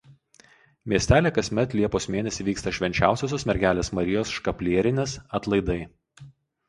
Miestelyje kasmet liepos mėnesį vyksta Švenčiausiosios Mergelės Marijos Škaplierinės atlaidai.